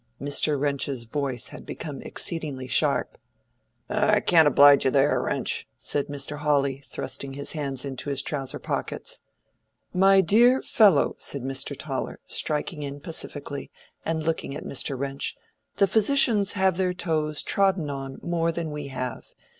Mr. Wrench's voice had become exceedingly sharp. "I can't oblige you there, Wrench," said Mr. Hawley, thrusting his hands into his trouser pockets. "My dear fellow," said Mr. Toller, striking in pacifically, and looking at Mr. Wrench, "the physicians have their toes trodden on more than we have.